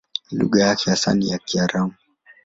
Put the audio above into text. Lugha yake hasa ni Kiaramu.